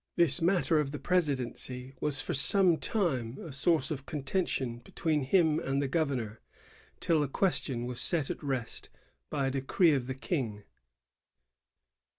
This matter of the presidency was for some time a source of contention between him and the governor, till the question was set at rest by a decree of the King.